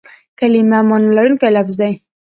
کلیمه مانا لرونکی لفظ دئ.